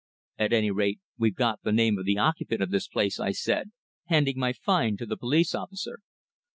"At any rate we've got the name of the occupant of this place," I said, handing my find to the police officer.